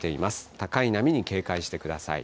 高い波に警戒してください。